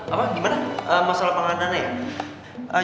apa gimana masalah penggalangan dananya ya